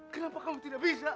kenapa kamu tidak bisa